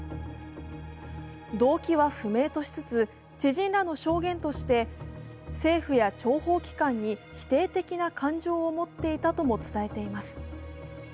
動機は不明としつつ、知人らの証言として、政府や諜報機関に否定的な感情を持っていたとも伝えています。